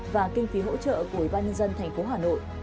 và kinh phí hỗ trợ của ba nhân dân tp hà nội